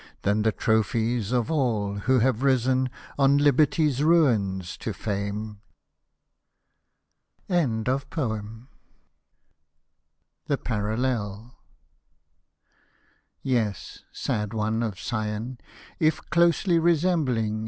Than the trophies of all, who have risen On Liberty's ruins to fame. THE PARALLEL Yes, sad one of Sion, if closely resembling.